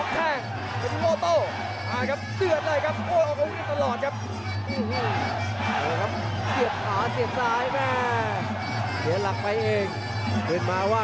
เทศวิโว้เบียกเข้ามาเหนื่องเกาะ